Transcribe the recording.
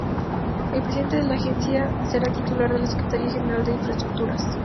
El Presidente de la Agencia será el titular de la Secretaría General de Infraestructuras.